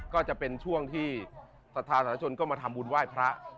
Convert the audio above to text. ก็จะเป็นช่วงที่สถานชนก็มาทำบุญไหว้พระ